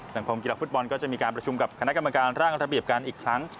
คมกีฬาฟุตบอลก็จะมีการประชุมกับคณะกรรมการร่างระเบียบกันอีกครั้ง